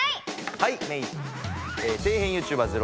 はいメイ。